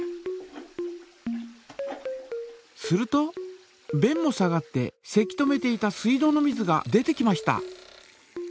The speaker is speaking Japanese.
するとべんも下がってせき止めていた水道の水が出てきました。